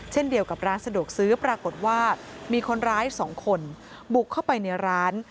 เช่นเดียวกับร้านสะดวกซื้อปรากฏว่ามีคนร้าย๒คนบุกเข้าไปในร้าน